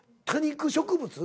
多肉植物？